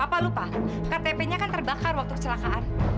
apa lu pak ktp nya kan terbakar waktu kecelakaan